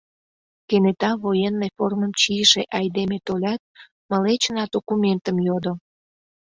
Кенета военный формым чийыше айдеме толят, мылечна документым йодо.